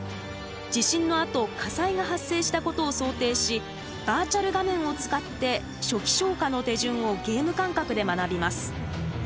地震のあと火災が発生したことを想定しバーチャル画面を使って初期消火の手順をゲーム感覚で学びます。